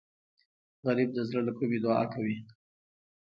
غریب د زړه له کومي دعا کوي